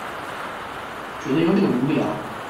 覺得有點無聊